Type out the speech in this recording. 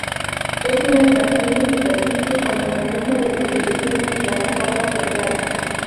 Es una estación de superficie, con mecanismo de distribución y plataforma central.